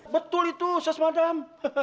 betul itu ses madam